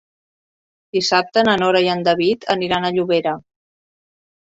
Dissabte na Nora i en David aniran a Llobera.